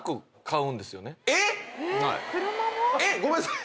えっ⁉ごめんなさい！